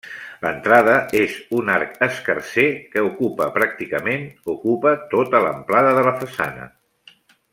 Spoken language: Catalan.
L'entrada és un arc escarser que ocupa pràcticament ocupa tota l'amplada de la façana.